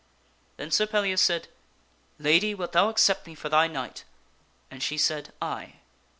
Then Sir Pellias said, " Lady, wilt thou accept me for thy knight? "and she said, " Aye."